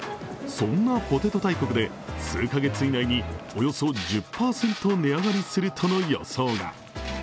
そんなポテト大国で数カ月以内におよそ１０％値上がりするとの予想が。